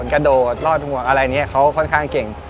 กระโดดรอดหัวอะไรกงี่เขาบอกว่าเขาค่อนข้างเก่ง